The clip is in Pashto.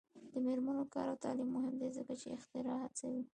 د میرمنو کار او تعلیم مهم دی ځکه چې اختراع هڅوي.